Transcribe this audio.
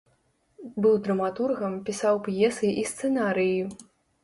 Быў драматургам, пісаў п'есы і сцэнарыі.